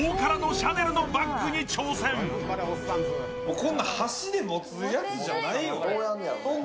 こんなん箸で持つやつじゃないよ。